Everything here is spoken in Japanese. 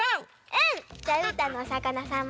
うん！